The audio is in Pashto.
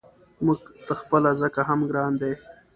موږ ته خپله ځکه هم ګران دی.